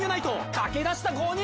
駆け出した５人！